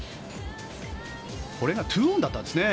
これが２オンだったんですね。